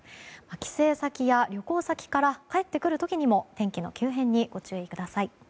帰省先や旅行先から帰ってくる時も天気の急変にご注意ください。